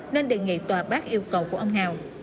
nên đề nghị tòa bác yêu cầu của ông nào